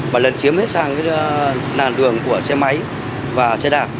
và lần chiếm hết sang nàn đường của xe máy và xe đạp